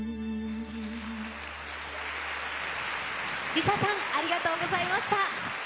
ＬｉＳＡ さんありがとうございました。